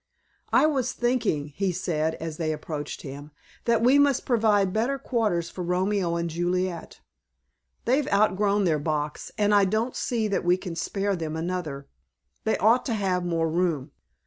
"I was thinking," he said as they approached him, "that we must provide better quarters for Romeo and Juliet. They've outgrown their box, and I don't see that we can spare them another. They ought to have more room."